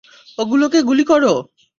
ওগুলোকে গুলি করো!